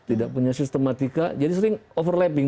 tidak punya sistematika jadi sering overlapping